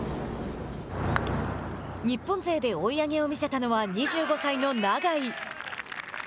日本勢で追い上げを見せたのは２５歳の永井。